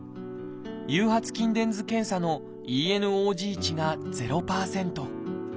誘発筋電図検査のＥＮｏＧ値が０％。